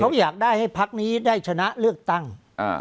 เขาอยากได้ให้พักนี้ได้ชนะเลือกตั้ง